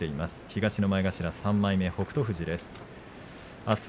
東の前頭３枚目、北勝富士です。